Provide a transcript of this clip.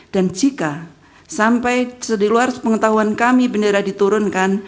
dan jika sampai seluar pengetahuan kami bendera diturunkan